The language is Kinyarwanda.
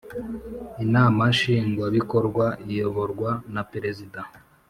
Inama nshingwa bikorwa iyoborwa na Perezida